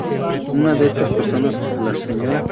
Una de estas personas, la Sra.